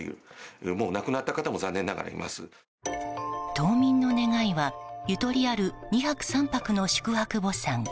島民の願いは、ゆとりある２泊、３泊の宿泊墓参。